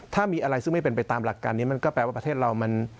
ถ้ามีอะไรซึ่งไม่เป็นไปตามหลักการนี้มันก็แปลว่าประเทศเรามัน